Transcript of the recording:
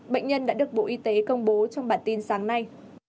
bệnh nhân đã được bộ y tế công bố trong bản tin sáng nay